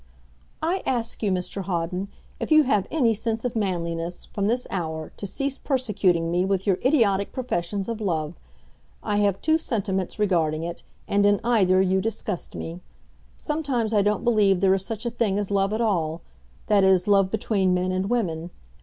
"I ask you, Mr Hawden, if you have any sense of manliness, from this hour to cease persecuting me with your idiotic professions of love. I have two sentiments regarding it, and in either you disgust me. Sometimes I don't believe there is such a thing as love at all that is, love between men and women.